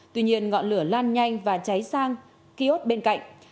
tuy nhiên ngọn lửa lan nhanh và cháy sang kiosk bên cạnh